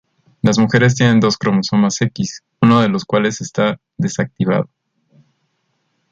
Las mujeres tienen dos cromosomas X, uno de los cuales está "desactivado".